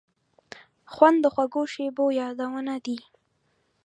خوند د خوږو شیبو یادونه دي.